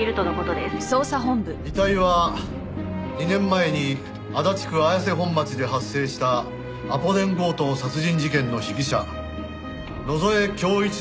遺体は２年前に足立区綾瀬本町で発生したアポ電強盗殺人事件の被疑者野添恭一のものと判明した。